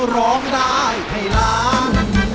ร้องได้ให้ล้าน